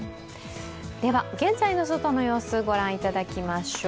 現在の外の様子を御覧いただきましょう。